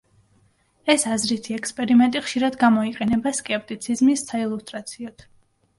ეს აზრითი ექსპერიმენტი ხშირად გამოიყენება სკეპტიციზმის საილუსტრაციოდ.